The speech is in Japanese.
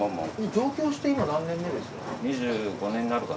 上京して今何年目ですか？